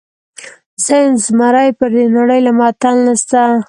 زه یم زمری، پر دې نړۍ له ما اتل نسته.